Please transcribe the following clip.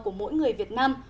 của mỗi người việt nam